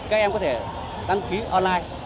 các em có thể đăng ký online